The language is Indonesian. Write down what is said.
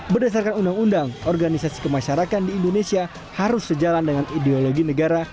berdasarkan undang undang organisasi kemasyarakat di indonesia harus sejalan dengan ideologi negara